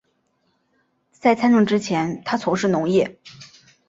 在参政之前他从事农业。